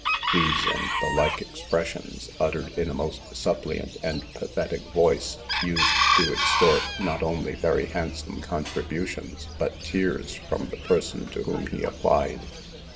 These and the like expressions, uttered in a most suppliant and pathetic voice, used to extort not only very handsome contributions, but tears from the person to whom he applied.